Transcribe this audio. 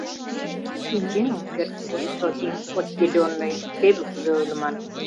«Шинчен ом керт, господин отделенный!» — теве кузе ойлыман!